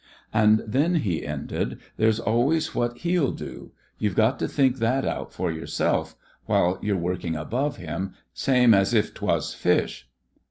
"And then," he ended, "there's always what he'll do. You've got to think that out for yourself — while you're working above him — same as if 'twas fish."